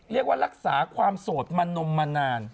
เรียกว่ารักษาความโสดมานมมานาน